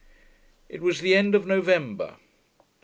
It was the end of November.